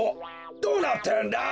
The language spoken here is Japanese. どうなってるんだ？